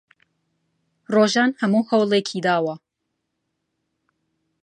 ڕۆژان هەموو هەوڵێکی داوە.